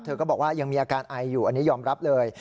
ก็บอกว่ายังมีอาการไออยู่อันนี้ยอมรับเลย